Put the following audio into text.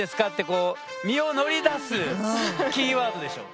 こう身を乗り出すキーワードでしょ。